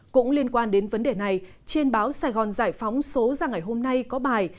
cũng liên quan đến vấn đề này trên báo sài gòn giải phóng số ra ngày hôm nay có bài